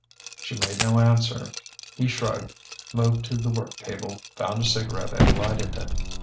She made no answer. He shrugged, moved to the work table, found a cigarette and lighted it.